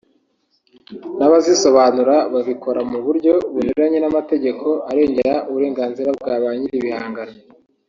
n'abazisobanura babikora mu buryo bunyuranye n’amategeko arengera uburenganzira bwa ba nyiribihangano